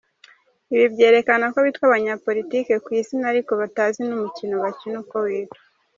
Ibi byerekana ko bitwa abanyapolitiki ku izina ariko batanazi n’umukino bakina uko witwa